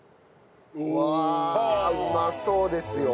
うわあ！うまそうですよ。